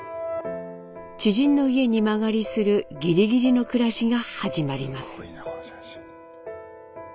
知人の家に間借りするギリギリの暮らしが始まります。